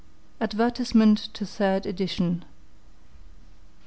ADVERTISEMENT TO THIRD EDITION.